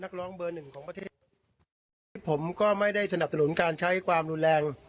ร้องเบอร์หนึ่งของประเทศนี้ผมก็ไม่ได้สนับสนุนการใช้ความรุนแรง